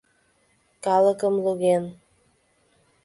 Калыкым луген.